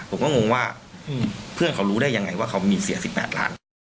ผมก็งงว่าเพื่อนเขารู้ได้ยังไงว่าเขามีเสีย๑๘ล้าน